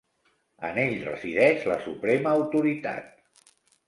En ell resideix la suprema autoritat.